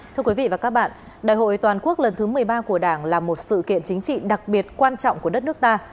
thưa quý vị và các bạn đại hội toàn quốc lần thứ một mươi ba của đảng là một sự kiện chính trị đặc biệt quan trọng của đất nước ta